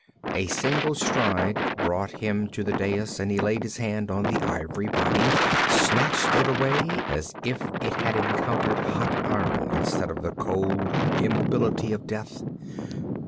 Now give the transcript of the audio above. A single stride brought him to the dais and he laid his hand on the ivory body snatched it away as if it had encountered hot iron instead of the cold immobility of death.